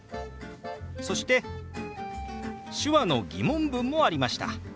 そして手話の疑問文もありました。